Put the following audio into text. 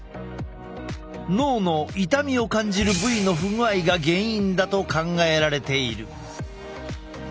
脳の痛みを感じる部位の不具合が原因だと考えられている。